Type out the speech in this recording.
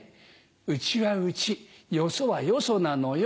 うちはうちよそはよそなのよ。